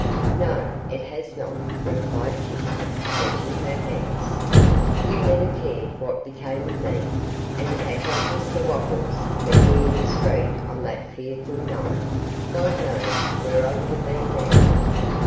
'No, it has not,' replied Kitty, clenching her hands. 'You never cared what became of me, and had not Mr Wopples met me in the street on that fearful night, God knows where I would have been now.